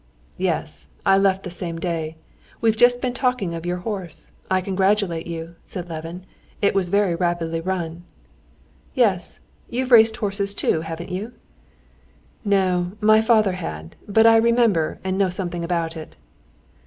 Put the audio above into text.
"Yes, I left the same day. We've just been talking of your horse. I congratulate you," said Levin. "It was very rapidly run." "Yes; you've race horses too, haven't you?" "No, my father had; but I remember and know something about it."